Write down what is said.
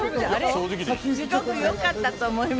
正直にすごくよかったと思います